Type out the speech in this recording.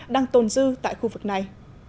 đang tồn dư tại khu vực này